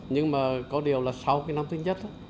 nhưng mà có điều là sau cái năm thứ nhất